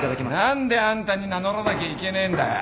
何であんたに名乗らなきゃいけねえんだよ！